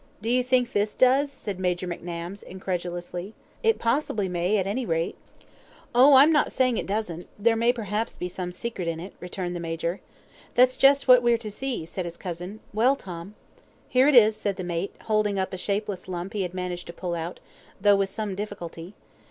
"Do you think this does?" said Major McNabbs, incredulously. "It possibly may, at any rate." "Oh! I'm not saying it doesn't. There may perhaps be some secret in it," returned the Major. "That's just what we're to see," said his cousin. "Well, Tom." "Here it is," said the mate, holding up a shapeless lump he had managed to pull out, though with some difficulty.